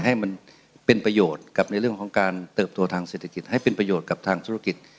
ให้มันเป็นประโยชน์กับในเรื่องของการเติบตัวทางเศรษฐกิจให้เป็นประโยชน์กับทางธุรกิจ